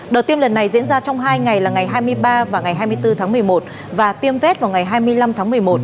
đợt tiêm lần này diễn ra trong hai ngày là ngày hai mươi ba và ngày hai mươi bốn tháng một mươi một và tiêm vét vào ngày hai mươi năm tháng một mươi một